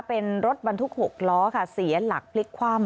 เป็นรถบรรทุก๖ล้อค่ะเสียหลักพลิกคว่ำ